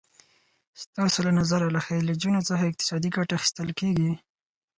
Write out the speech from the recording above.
ستاسو له نظره له خلیجونو څخه اقتصادي ګټه اخیستل کېږي؟